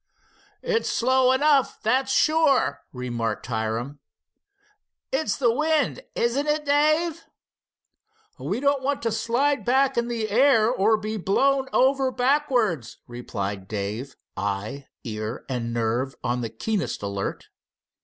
"It's slow enough, that's sure," remarked Hiram. "It's the wind, isn't it, Dave?" "We don't want to slide back in the air or be blown over backwards," replied Dave, eye, ear, and nerve on the keenest alert.